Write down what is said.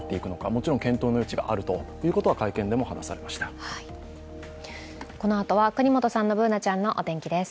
もちろん検討の余地があるということはこのあとは國本さんとＢｏｏｎａちゃんのお天気です。